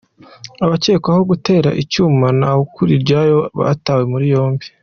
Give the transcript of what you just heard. Abakekwaho gutera icyuma Ntawukuriryayo batawe muri yombi